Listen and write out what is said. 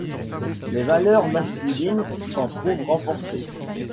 Les valeurs masculines s’en trouvent renforcées.